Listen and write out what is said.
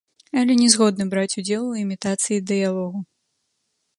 Але не згодны браць удзел у імітацыі дыялогу.